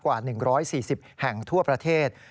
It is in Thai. กว่า๑๔๐แห่งทั่วประเทศ